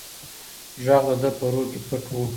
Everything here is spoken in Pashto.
غږ د ده په روح کې پټ و.